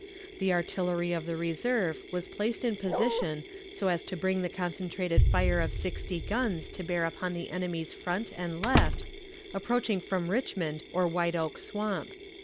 The artillery of the reserve was placed in position so as to bring the concentrated fire of sixty guns to bear upon the enemy's front and left, approaching from Richmond or White Oak Swamp.